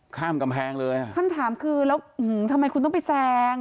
ข้ามกำแพงเลยอ่ะคำถามคือแล้วทำไมคุณต้องไปแซง